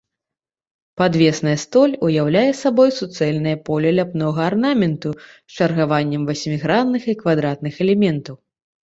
Падвесная столь уяўляе сабой суцэльнае поле ляпнога арнаменту з чаргаваннем васьмігранных і квадратных элементаў.